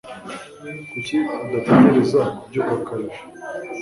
kuki utagerageza kubyuka kare ejo